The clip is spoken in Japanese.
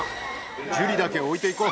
ジュリだけ置いていこう。